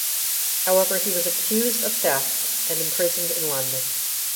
However, he was accused of theft and imprisoned in London.